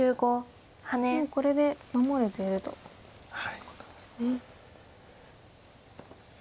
もうこれで守れているということですね。